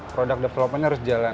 produk developernya harus jalan